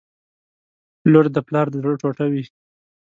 • لور د پلار د زړه ټوټه وي.